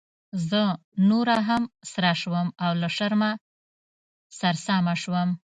زه نوره هم سره شوم او له شرمه سرسامه شوم.